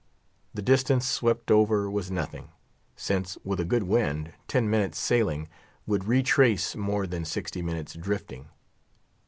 The distance swept over was nothing; since, with a good wind, ten minutes' sailing would retrace more than sixty minutes, drifting.